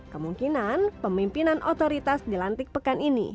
kemungkinan pemimpinan otoritas di lantik pekan ini